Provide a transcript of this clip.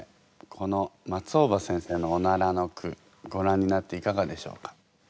この松尾葉先生の「おなら」の句ごらんになっていかがでしょうか？